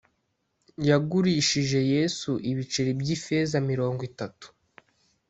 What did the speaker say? Yagurishije yesu ibiceri by’ifeza mirongo itatu